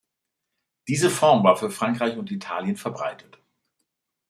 Diese Form war für Frankreich und Italien verbreitet.